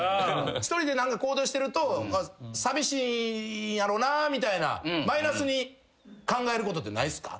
１人で行動してると寂しいんやろうなみたいなマイナスに考えることってないですか？